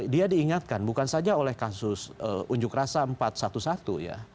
dia diingatkan bukan saja oleh kasus unjuk rasa empat ratus sebelas ya